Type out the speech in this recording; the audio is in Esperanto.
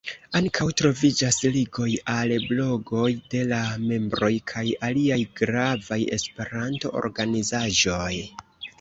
Ankaŭ troviĝas ligoj al blogoj de la membroj kaj aliaj gravaj esperanto-organizaĵoj.